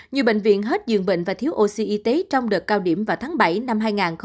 nhiều bệnh viện hết dường bệnh và thiếu oxy y tế trong đợt cao điểm vào tháng bảy năm hai nghìn hai mươi